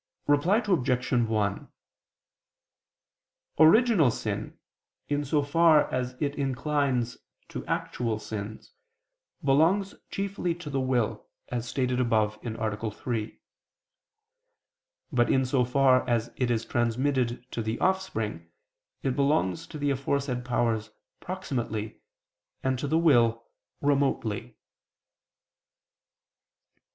Reply Obj. 1: Original sin, in so far as it inclines to actual sins, belongs chiefly to the will, as stated above (A. 3). But in so far as it is transmitted to the offspring, it belongs to the aforesaid powers proximately, and to the will, remotely.